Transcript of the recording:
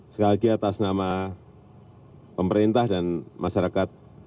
sekali lagi atas nama pemerintah dan masyarakat